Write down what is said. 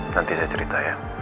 nanti saya cerita ya